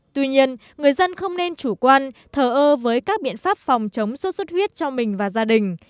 tuy nhiên người dân không nên chủ quan thờ ơ với các biện pháp phòng chống sốt xuất huyết cho mình và gia đình